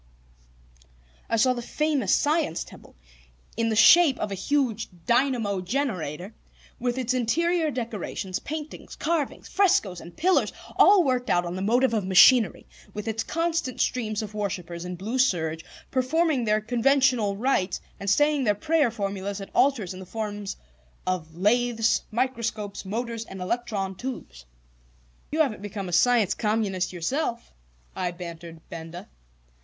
I saw the famous Science Temple in the shape of a huge dynamo generator, with its interior decorations, paintings, carvings, frescoes, and pillars, all worked out on the motive of machinery; with its constant streams of worshippers in blue serge, performing their conventional rites and saying their prayer formulas at altars in the forms of lathes, microscopes, motors, and electron tubes. "You haven't become a Science Communist yourself?" I bantered Benda.